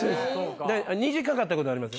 虹かかったことあります。